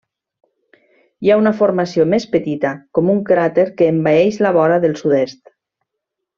Hi ha una formació més petita, com un cràter que envaeix la vora del sud-est.